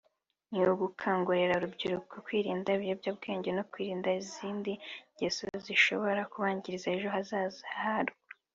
ni ugukangurira urubyiruko kwirinda ibiyobyabwenge no kwirinda izindi ngeso zishobora kubangiriza ejo hazaza harwo